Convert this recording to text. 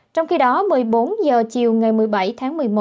trong khi đó một mươi bốn h chiều ngày một mươi bảy tháng một mươi một